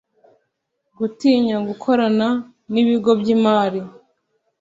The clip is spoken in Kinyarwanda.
gutinya gukorana n’ibigo by’imari